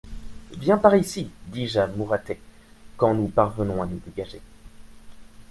Viens par ici, dis-je à Mouratet quand nous parvenons à nous dégager.